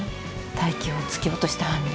泰生を突き落とした犯人。